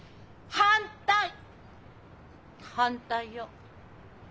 反対よ。